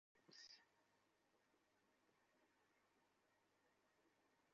Form ধরে রেখে French Open খেলতে পারাটা আমার কাছে খুবই গুরুত্বপূর্ণ।